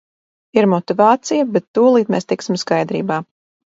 Ir motivācija, bet tūlīt mēs tiksim skaidrībā.